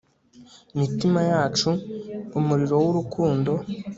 mitima yacu, umuriro w'urukundo